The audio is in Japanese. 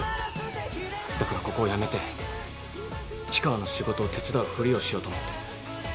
だからここを辞めて氷川の仕事を手伝うふりをしようと思って。